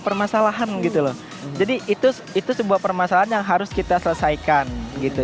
permasalahan gitu loh jadi itu itu sebuah permasalahan yang harus kita selesaikan gitu